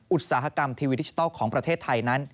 อุตสาหกรรมทีวีดิจิทัลของประเทศไทยนั้น